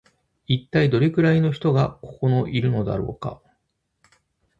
一体どれくらいの人がここのいるのだろうか